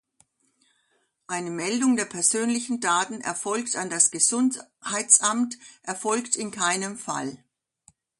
Eine Meldung der persönlichen Daten erfolgt an das Gesundheitsamt erfolgt in keinem Fall.